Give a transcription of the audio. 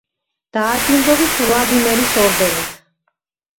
დააჯილდოვეს ვლადიმერის ორდენით.